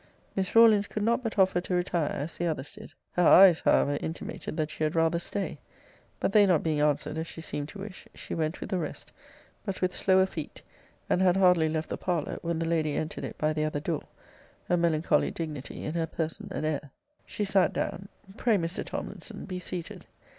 Miss Rawlins could not but offer to retire, as the others did. Her eyes, however, intimated that she had rather stay. But they not being answered as she seemed to wish, she went with the rest, but with slower feet; and had hardly left the parlour, when the lady entered it by the other door; a melancholy dignity in her person and air. She sat down. Pray, Mr. Tomlinson, be seated.